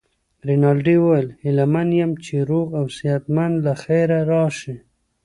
رینالډي وویل: هیله من یم چي روغ او صحت مند له خیره راشې.